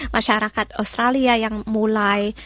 masyarakat australia yang mulai